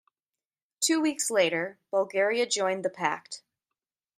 Two weeks later, Bulgaria joined the Pact.